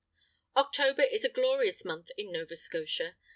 October is a glorious month in Nova Scotia.